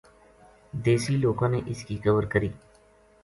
دیسی لوکاں نے اس کی قبر کری